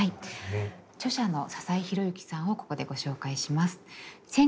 著者の笹井宏之さんをここでご紹介します。